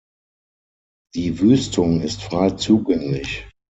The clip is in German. Die Wüstung ist frei zugänglich.